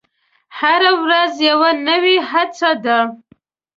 هره ورځ یوه نوې هڅه ده.